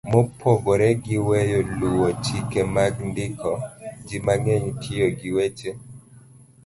Mopogore gi weyo luwo chike mag ndiko, ji mang'eny tiyo gi weche